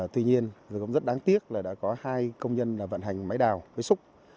tuy nhiên rồi cũng rất đáng tiếc là đã có hai công nhân là vận hành máy đào với súc